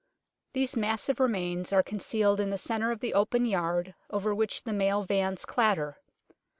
These massive remains are concealed in the centre of the open yard over which the mail vans clatter.